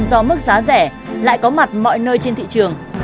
tuy nhiên do mức giá rẻ lại có mặt mọi nơi trên thị trường